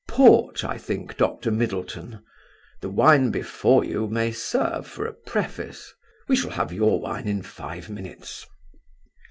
"Port, I think, Doctor Middleton? The wine before you may serve for a preface. We shall have your wine in five minutes."